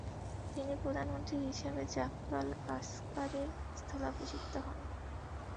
তিনি প্রধানমন্ত্রী হিসেবে জাফর আল আসকারির স্থলাভিষিক্ত হন।